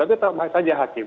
tapi itu mah saja hakim